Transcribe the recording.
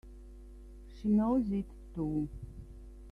She knows it too!